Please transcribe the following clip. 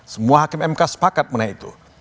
semua hakim mk sepakat menaik itu